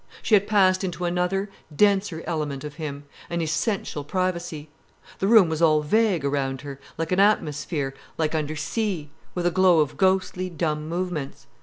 She had passed into another, denser element of him, an essential privacy. The room was all vague around her, like an atmosphere, like under sea, with a flow of ghostly, dumb movements.